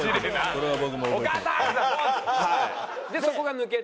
でそこが抜けて。